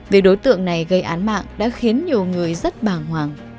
về đối tượng này gây án mạng đã khiến nhiều người rất bảng hoàng